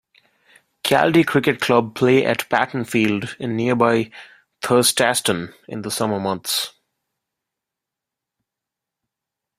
Caldy Cricket Club play at Paton Field in nearby Thurstaston in the summer months.